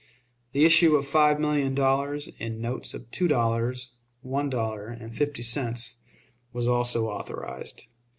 The issue of five million dollars, in notes of two dollars, one dollar, and fifty cents, was also authorized.